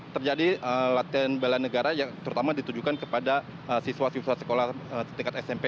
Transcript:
terjadi latihan bela negara yang terutama ditujukan kepada siswa siswa sekolah tingkat smp